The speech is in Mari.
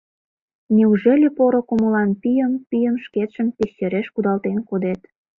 Неужели поро кумылан пийым пийым шкетшым пещереш кудалтен кодет?